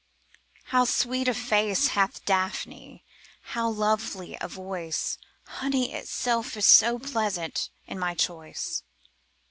How sweet a face hath Daphne, how lovely a voice! Honey itself is not so pleasant in my choice.